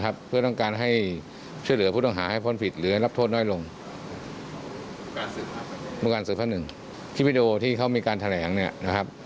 แต่ว่าเรามีต้นฉบับตัวจริงใช่มั้ยคะ